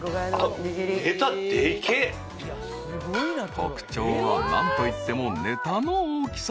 ［特徴は何といってもネタの大きさ］